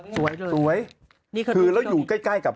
สวยแล้วอยู่ใกล้กับ